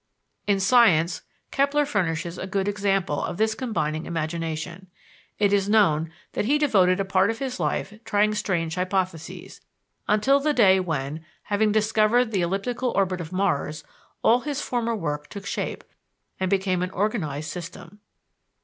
In science, Kepler furnishes a good example of this combining imagination. It is known that he devoted a part of his life trying strange hypotheses, until the day when, having discovered the elliptical orbit of Mars, all his former work took shape and became an organized system.